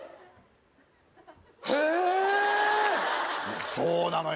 へえそうなのよ